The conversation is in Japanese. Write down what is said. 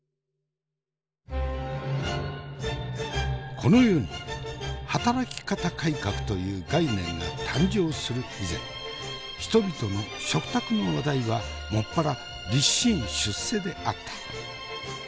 この世に働き方改革という概念が誕生する以前人々の食卓の話題はもっぱら立身出世であった。